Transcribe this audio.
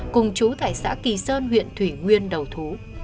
cùng chú tại xã kỳ sơn huyện thủy nguyên đầu thú